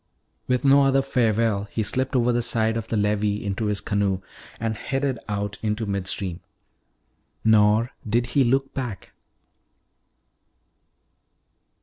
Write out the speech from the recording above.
With no other farewell he slipped over the side of the levee into his canoe and headed out into midstream. Nor did he look back.